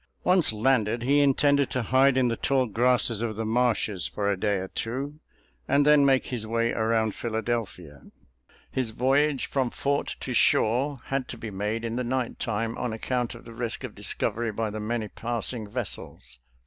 Once landed,! he intended to hide in the tall, grasses of th& marshes for a day or two, and then make his way around. Philadelphia. His voyage from fort to shore had to be made in the night time on; .account of the risk of discovery by the many passing vessels.